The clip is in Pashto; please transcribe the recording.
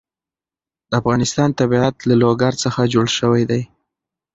د افغانستان طبیعت له لوگر څخه جوړ شوی دی.